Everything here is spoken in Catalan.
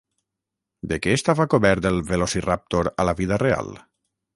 De què estava cobert el Velociraptor a la vida real?